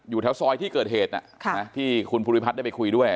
แถวซอยที่เกิดเหตุที่คุณภูริพัฒน์ได้ไปคุยด้วย